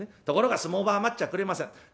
ところが相撲場は待っちゃくれません。